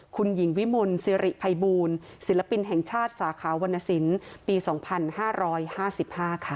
คุณหญิงวิมลสิริภัยบูลศิลปินแห่งชาติสาขาวรรณสินปี๒๕๕๕ค่ะ